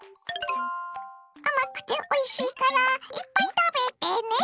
甘くておいしいからいっぱい食べてね！